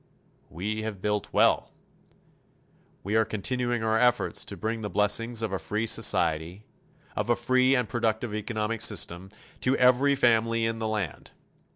We have built well. We are continuing our efforts to bring the blessings of a free society, of a free and productive economic system, to every family in the land.